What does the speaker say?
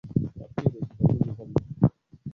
watwihereye, divayi y'umuzabibu